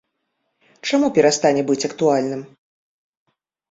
Чаму перастане быць актуальным?